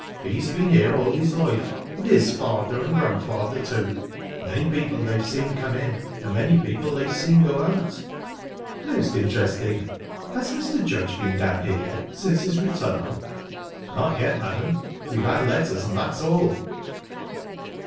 He's been here all his life, and his father and grandfather, too. Many people they've seen come in, and many people they've seen go out." "Most interesting! Has Mr. Judge been down here yet since his return?" "Not yet, madam. We've had letters, and that's all."